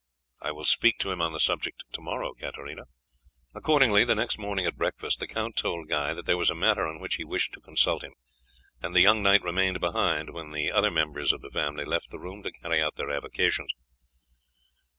I will speak to him on the subject to morrow, Katarina." Accordingly, the next morning at breakfast the count told Guy that there was a matter on which he wished to consult him, and the young knight remained behind when the other members of the family left the room to carry out their avocations.